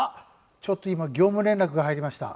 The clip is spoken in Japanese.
ちょっと今業務連絡が入りました。